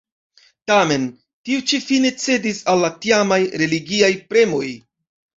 Tamen, tiu ĉi fine cedis al la tiamaj religiaj premoj.